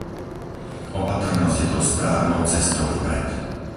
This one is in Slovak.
Opatrnosť je tou správnou cestou vpred.